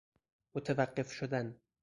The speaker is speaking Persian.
متوقف شدن